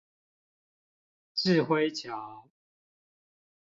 稚暉橋